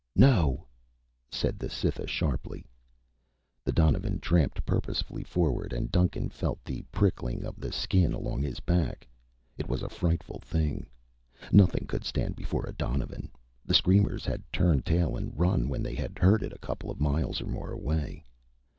"No," said the Cytha sharply. The donovan tramped purposefully forward and Duncan felt the prickling of the skin along his back. It was a frightful thing. Nothing could stand before a donovan. The screamers had turned tail and run when they had heard it a couple of miles or more away.